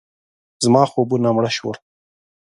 زما خوبونه مړه شول.